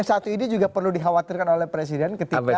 saat ini juga perlu dikhawatirkan oleh presiden